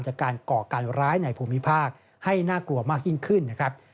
จากการก่อการร้ายในภูมิภาคให้น่ากลัวมากยิ่งขึ้นนะครับ